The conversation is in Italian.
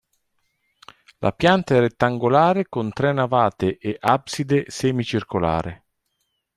La pianta è rettangolare con tre navate e abside semicircolare.